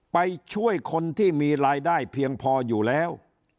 ไปช่วยคนที่มีรายได้เพียงพออยู่แล้ว